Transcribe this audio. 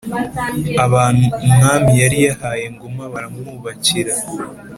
abantu umwami yari yahaye Ngoma baramwubakira.